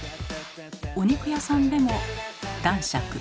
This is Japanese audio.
お肉屋さんでも「男爵」。